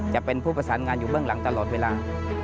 จะเป็นผู้ประสานงานอยู่เบื้องหลังตลอดเวลา